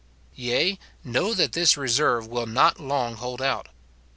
Yea, know that this reserve will not long hold out.